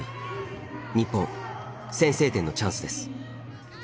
日本先制点のチャンスです。